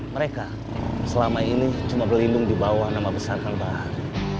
mereka selama ini cuma berlindung di bawah nama besar al bahar